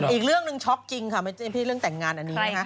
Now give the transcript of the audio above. อีกเรื่องนึงช็อคจริงค่ะเรื่องแต่งงานอันนี้